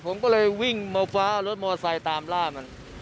ผมก็เลยวิ่งมาฟ้ารถมอไซค์ตามล่ามัน